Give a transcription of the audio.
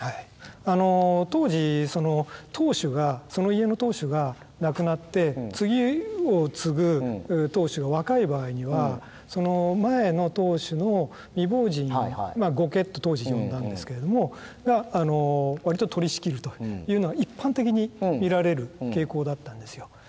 あの当時その当主がその家の当主が亡くなって次を継ぐ当主が若い場合には前の当主の未亡人後家って当時呼んだんですけれどもが割と取りしきるというのが一般的に見られる傾向だったんですよ。